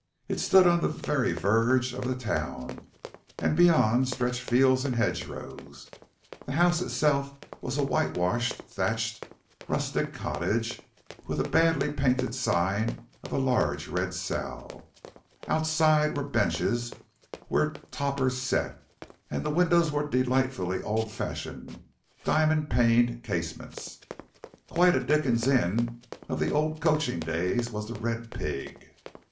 It stood on the very verge of the town, and beyond stretched fields and hedgerows. The house itself was a white washed, thatched, rustic cottage, with a badly painted sign of a large red sow. Outside were benches, where topers sat, and the windows were delightfully old fashioned, diamond paned casements. Quite a Dickens inn of the old coaching days was "The Red Pig."